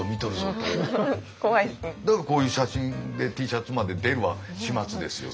だからこういう写真でＴシャツまで出る始末ですよ